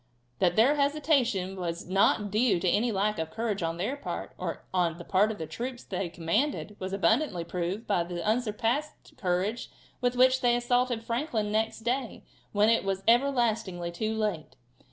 That their hesitation was not due to any lack of courage on their part, or on the part of the troops they commanded, was abundantly proved by the unsurpassed courage with which they assaulted at Franklin next day when it was everlastingly too late.